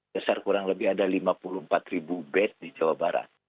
dasar kurang lebih ada lima puluh empat ribu bed di jawa barat